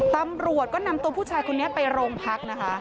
ตำรวจก็นำตัวผู้ชายคนนี้ไปโรงพักนะคะ